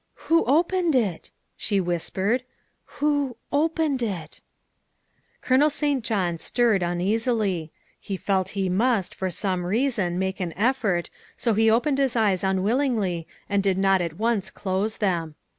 " Who opened it?" she whispered, " who opened it?" Colonel St. John stirred uneasily. He felt he must, for some reason, make an effort, so he opened his eyes unwillingly and did not at once close them.